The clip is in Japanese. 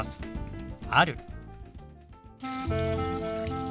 「ある」。